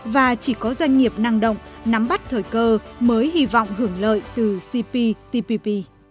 và chỉ có doanh nghiệp năng động nắm bắt thời cơ mới hy vọng hưởng lợi từ cptpp